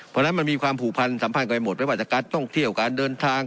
เพราะฉะนั้นมันมีความผูกพันสำคัญหมดไม่ว่าจะการท่องเที่ยวการเดินทาง